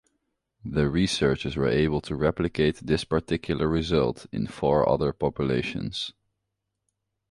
The researchers were able to replicate this particular result in four other populations.